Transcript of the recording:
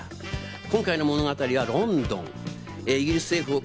今回の物語は、舞台はロンドン。